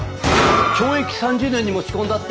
懲役３０年に持ち込んだって！？